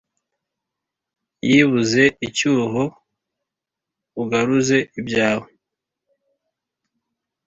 yibuze icyuho ugaruze ibyawe